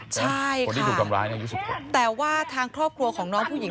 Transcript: ใช่ค่ะแต่ว่าทางครอบครัวของน้องผู้หญิง